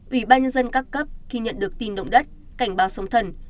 ủy ban nhân dân các cấp khi nhận được tin động đất cảnh báo sóng thần